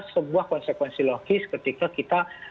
sebuah konsekuensi logis ketika kita